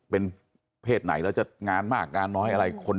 เป็นเพศไหนแล้วจะงานมากงานน้อยอะไร